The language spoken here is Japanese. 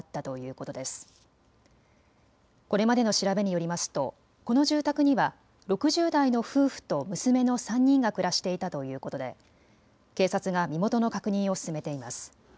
これまでの調べによりますとこの住宅には６０代の夫婦と娘の３人が暮らしていたということで警察が身元の確認を進めています。